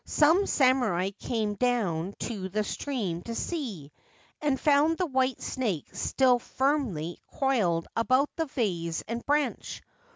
Some samurai came down to the stream to see, and found the white snake still firmly coiled about the vase and branch.